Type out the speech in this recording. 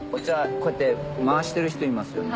こうやって回してる人いますよね？